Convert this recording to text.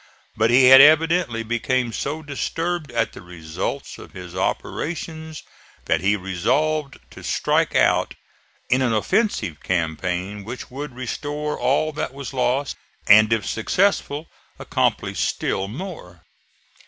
But he had evidently become so disturbed at the results of his operations that he resolved to strike out in an offensive campaign which would restore all that was lost, and if successful accomplish still more.